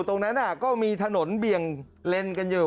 ตรงนั้นก็มีถนนเบี่ยงเลนกันอยู่